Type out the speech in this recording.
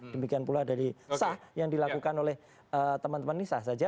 demikian pula dari sah yang dilakukan oleh teman teman ini sah saja